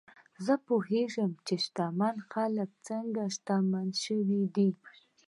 زه پوهېدم چې شتمن خلک څنګه شتمن شوي دي.